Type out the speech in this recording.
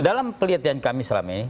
dalam pelitian kami selama ini